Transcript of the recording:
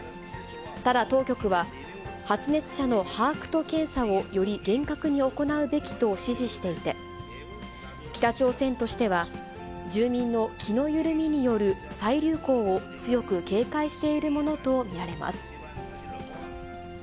ただ、当局は、発熱者の把握と検査をより厳格に行うべきと指示していて、北朝鮮としては、住民の気の緩みによる再流行を強く警戒しているものと見られます。